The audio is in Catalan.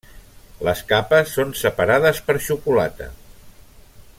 Les capes són separades per xocolata.